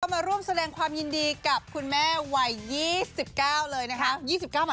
มาร่วมแสดงความยินดีกับคุณแม่วัย๒๙เลยนะคะ